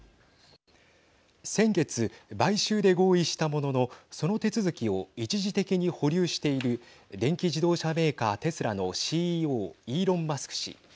先月、買収で合意したもののその手続きを一時的に保留している電気自動車メーカーテスラのＣＥＯイーロン・マスク氏。